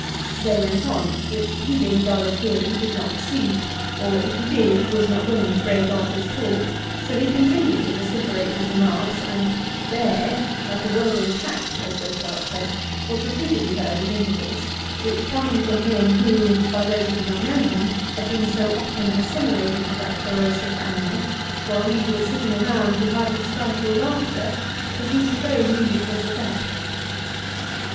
] They went on, which he being dull of hearing, did not perceive, or, if he did, was not willing to break off his talk; so he continued to vociferate his remarks, and Bear ('like a word in a catch' as Beauclerk said,) was repeatedly heard at intervals, which coming from him who, by those who did not know him, had been so often assimilated to that ferocious animal, while we who were sitting around could hardly stifle laughter, produced a very ludicrous effect.